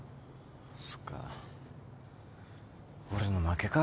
そっか俺の負けか。